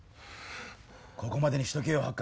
ここまでにしとけよ